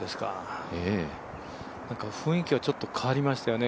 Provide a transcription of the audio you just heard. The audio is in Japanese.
雰囲気はちょっと変わりましたよね